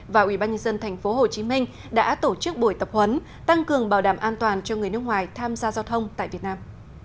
và ubnd tp hcm đã tổ chức buổi tập huấn tăng cường bảo đảm an toàn cho người nước ngoài tham gia giao thông tại việt nam